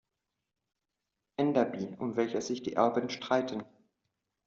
Enderby, um welches sich die Erben streiten.